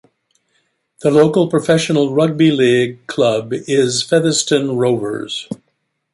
The local professional Rugby League club is Featherstone Rovers.